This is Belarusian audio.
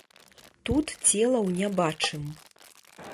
Тут целаў не бачым.